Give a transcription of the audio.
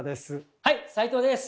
はい斉藤です！